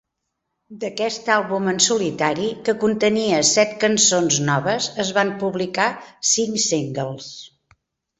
D'aquest àlbum en solitari, que contenia set cançons noves, es van publicar cinc singles.